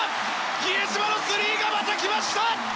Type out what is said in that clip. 比江島のスリーがまた来ました！